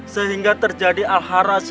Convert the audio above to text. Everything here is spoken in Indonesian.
sehingga terjadi alharaj